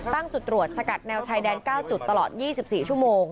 ตั้งจุดตรวจสกัดแนวชายแดน๙จุดตลอด๒๔ชั่วโมง